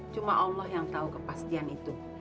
cuma allah yang tahu kepastian itu